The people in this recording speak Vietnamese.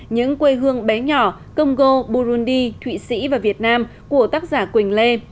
những quê hương bé nhỏ congo burundi thụy sĩ và việt nam của tác giả quỳnh lê